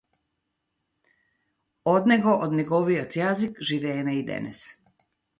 Од него, од неговиот јазик живееме и денес.